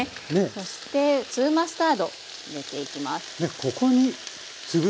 そして粒マスタード入れていきます。